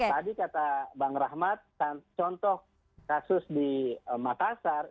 tadi kata bang rahmat contoh kasus di makassar